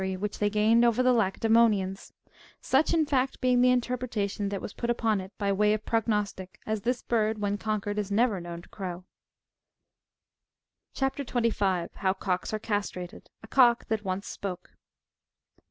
\dctoiy'^ which they gained over the Lacedsemonians ; such, in fact, "being the interpretation that was put upon it by way of prognostic, as this hird, when conquered, is never known to crow. CHAP. 25. HOW COCKS ARE CASTRATED. A COCK THAT ONCE SPOKE.